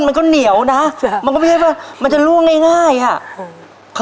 มันก็เหนียวน่ะน่ะมันก็ไม่ใช่ว่ามันจะร่วงง่ายอะฮือ